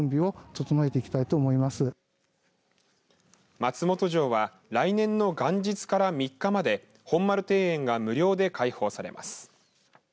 松本城は来年の元日から３日まで本丸庭園が無料で開放されます。